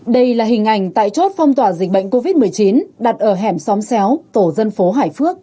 đây là hình ảnh tại chốt phong tỏa dịch bệnh covid một mươi chín đặt ở hẻm xóm xéo tổ dân phố hải phước